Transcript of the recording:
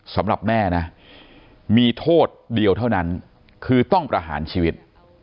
สำหรับแม่นะมีโทษเดียวเท่านั้นคือต้องประหารชีวิต